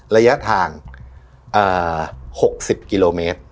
ระยะทาง๖๐กิโลเมตร